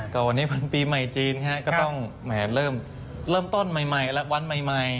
ก็วันนี้วันปีใหม่จีนก็ต้องแหมเริ่มต้นใหม่แล้ววันใหม่